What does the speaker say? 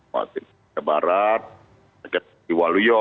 waktu di jawa barat dekat di waluyo